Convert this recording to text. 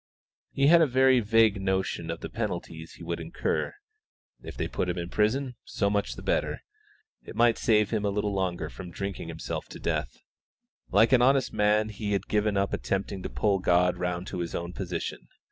He had a very vague notion of the penalties he would incur; if they put him in prison, so much the better it might save him a little longer from drinking himself to death. Like an honest man he had given up attempting to pull God round to his own position.